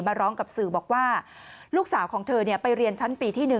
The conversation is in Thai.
ร้องกับสื่อบอกว่าลูกสาวของเธอไปเรียนชั้นปีที่๑